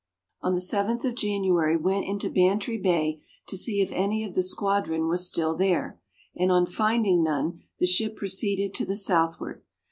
On the 7th of January went into Bantry Bay to see if any of the squadron was still there, and on finding none, the ship proceeded to the southward.